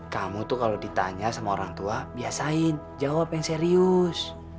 kamu tuh kalau ditanya sama orang tua biasain jawab yang serius